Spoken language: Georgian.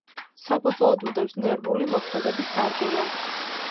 საფუძვლად უდევს ნერვული მოქმედების დარღვევა.